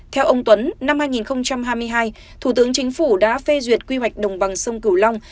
theo ông tuấn năm hai nghìn hai mươi hai thủ tướng chính phủ đã phê duyệt quy hoạch đồng bằng sông cửu long